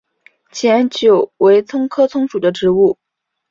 碱韭为葱科葱属的植物。